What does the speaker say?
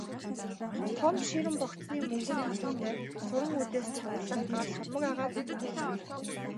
Том ширэн богцны мөнгөн тоногтой суран үдээс чангалах гар сурмаг агаад эрмэг билээ.